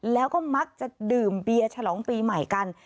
แล้วก็มักจะดื่มเบียร์ฉลองปีใหม่กัน